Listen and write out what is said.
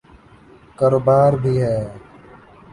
کاروبار بھی ہے۔